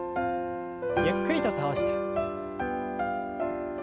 ゆっくりと倒して。